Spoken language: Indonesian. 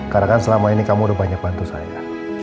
karena kan selama ini kamu udah banyak bantu saya